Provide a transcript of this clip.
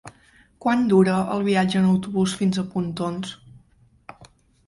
Quant dura el viatge en autobús fins a Pontons?